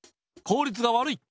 効率が悪い。